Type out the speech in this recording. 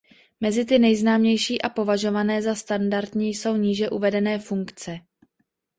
Mezi ty nejznámější a považované za standardní jsou níže uvedené funkce.